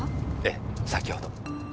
えぇ先ほど。